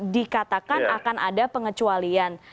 dikatakan akan ada pengecualian